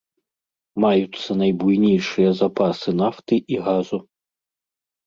Маюцца найбуйнейшыя запасы нафты і газу.